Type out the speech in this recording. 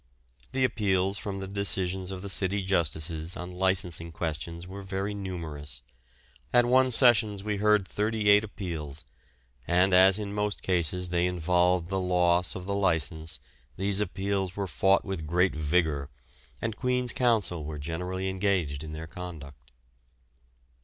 The appeals from the decisions of the City Justices on licensing questions were very numerous; at one sessions we heard thirty eight appeals, and as in most cases they involved the loss of the license these appeals were fought with great vigour, and Queen's counsel were generally engaged in their conduct.